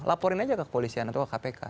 laporin aja ke polisian atau ke kpk